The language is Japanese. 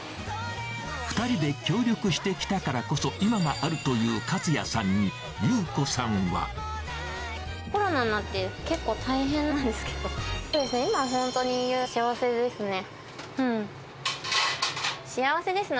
２人で協力してきたからこそ、今があるという勝也さんに、友子さんは。コロナになって、結構大変なんですけど、今本当に幸せですね。